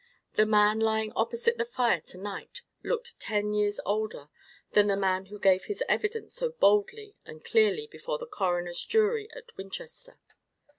The man lying opposite the fire to night looked ten years older than the man who gave his evidence so boldly and clearly before the coroner's jury at Winchester.